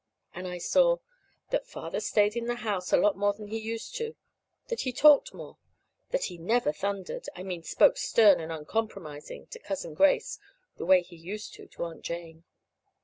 And I saw: That father stayed in the house a lot more than he used to. That he talked more. That he never thundered I mean spoke stern and uncompromising to Cousin Grace the way he used to to Aunt Jane.